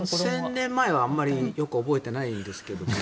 ４０００年前は、あまりよく覚えてないんですけどね。